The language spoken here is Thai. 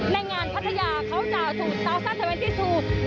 ในงานภัทยาเขาจะศูนย์๒๐๒๒